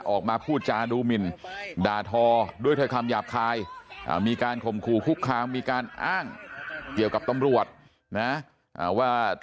ออกมาพูดจาดูหมินด่าทอด้วยถ้อยคำหยาบคายมีการข่มขู่คุกคามมีการอ้างเกี่ยวกับตำรวจนะว่า